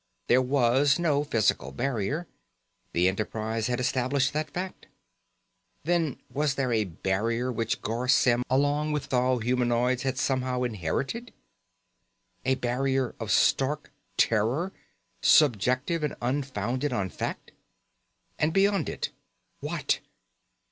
There was no physical barrier. The Enterprise had established that fact. Then was there a barrier which Garr Symm, along with all humanoids, had somehow inherited? A barrier of stark terror, subjective and unfounded on fact? And beyond it what?